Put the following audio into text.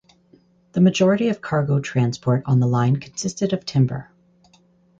The majority of cargo transport on the line consisted of timber.